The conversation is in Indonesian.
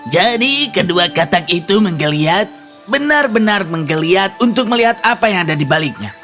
jadi kedua katak itu menggeliat benar benar menggeliat untuk melihat apa yang ada di baliknya